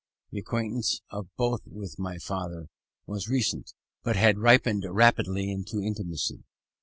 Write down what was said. The acquaintance of both with my father was recent, but had ripened rapidly into intimacy.